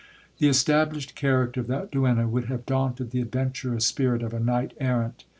The established character of that duenna would have daunted the adventurous spirit of a knight errant.